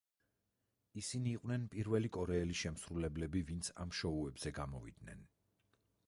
ისინი იყვნენ პირველი კორეელი შემსრულებლები ვინც ამ შოუებზე გამოვიდნენ.